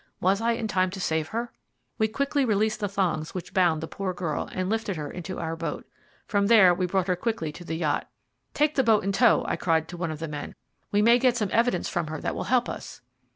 Was I in time to save her? We quickly released the thongs which bound the poor girl, and lifted her into our boat. From there we brought her quickly to the yacht. "Take the boat in tow," I cried to one of the men; "we may get some evidence from her that will help us."